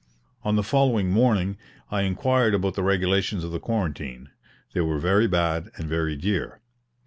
On the following morning I inquired about the regulations of the quarantine they were very bad and very dear.